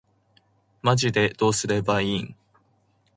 マジでどうすればいいん